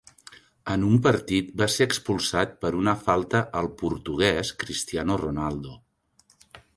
En un partit va ser expulsat per una falta al portuguès Cristiano Ronaldo.